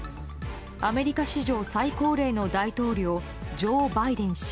アメリカ史上最高齢の大統領ジョー・バイデン氏。